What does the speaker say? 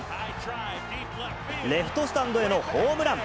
レフトスタンドへのホームラン。